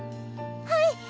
はい。